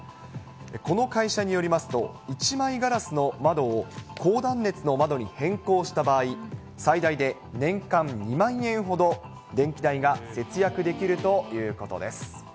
この会社によりますと、１枚ガラスの窓を高断熱の窓に変更した場合、最大で年間２万円ほど電気代が節約できるということです。